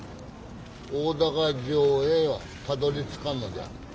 大高城へはたどりつかんのじゃ。